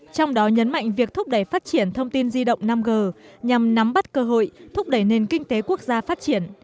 trong đó nhấn mạnh việc thúc đẩy phát triển thông tin di động năm g nhằm nắm bắt cơ hội thúc đẩy nền kinh tế quốc gia phát triển